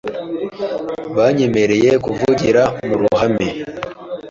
Yamenyereye kuvugira mu ruhame.